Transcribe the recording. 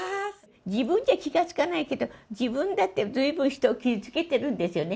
自分じゃ気が付かないけど、自分だって、ずいぶん人を傷つけてるんですよね。